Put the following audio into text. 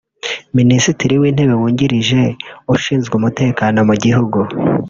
Minisitiri w’Intebe wungirije ushinzwe Umutekano mu gihugu